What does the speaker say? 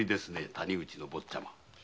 谷口の坊ちゃま。